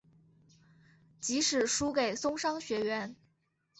即使输给松商学园。